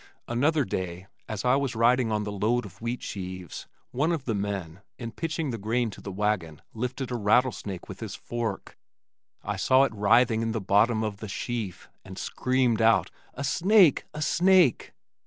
Another day, as I was riding on the load of wheat sheaves, one of the men, in pitching the grain to the wagon lifted a rattlesnake with his fork. I saw it writhing in the bottom of the sheaf, and screamed out, "A snake, a snake!"